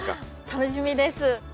楽しみです。